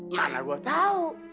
mana gua tau